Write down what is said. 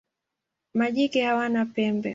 Majike hawana pembe.